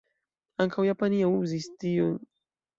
Ankaŭ Japanio uzas tiujn simbolojn.